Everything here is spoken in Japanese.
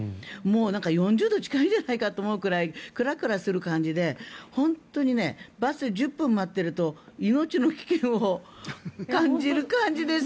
４０度近いんじゃないかと思うぐらいクラクラする感じで本当にバスを１０分待ってると命の危険を感じる感じです。